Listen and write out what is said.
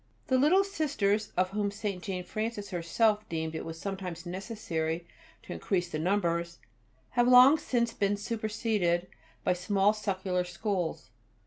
[B] The Little Sisters, of whom St. Jane Frances herself deemed it sometimes necessary to increase the numbers, have long since been superseded by small secular schools.